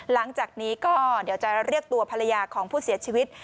หลังจากนี้ก็เดี๋ยวจะเรียกตัวภรรยาของผู้เสียชีวิต